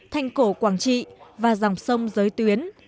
thành cổ quảng trị và dòng sông giới tuyến